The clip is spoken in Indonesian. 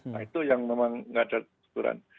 nah itu yang memang nggak ada aturan